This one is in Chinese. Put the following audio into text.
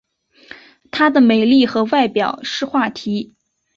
她的美丽和外表是话题。